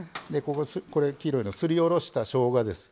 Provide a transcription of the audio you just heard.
これ黄色いのすりおろしたしょうがです。